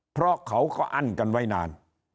เพราะเขาก็อั้นกันไว้นาน